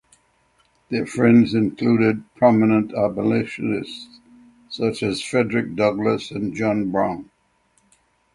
Their friends included prominent abolitionists such as Frederick Douglass and John Brown.